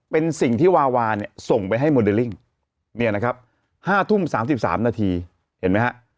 เป็นสิ่งที่วาวาเนี่ยส่งไปให้โมเดลลิ่งเนี่ยนะครับ๕ทุ่ม๓๓นาทีเห็นไหมฮะ